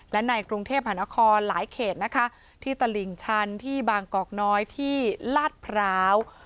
และในกรุงเทพหานครหลายเขตนะคะที่ตลิ่งชันที่บางกอกน้อยที่ลาดพร้าว